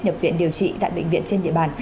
nhập viện điều trị tại bệnh viện trên địa bàn